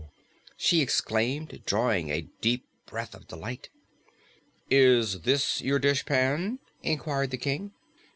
she exclaimed, drawing a deep breath of delight. "Is this your dishpan?" inquired the King.